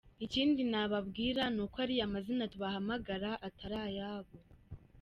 Ikindi nababwira ni uko ariya mazina tubahamagara atari ayabo.